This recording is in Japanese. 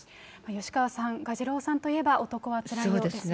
吉川さん、蛾次郎さんといえば、男はつらいよですね。